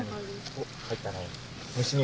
おっ入ったね。